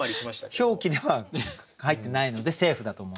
表記では入ってないのでセーフだと思うんですけど。